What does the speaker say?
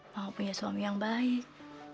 mau punya suami yang baik